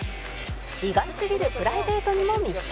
意外すぎるプライベートにも密着